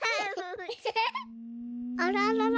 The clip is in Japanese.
あららら？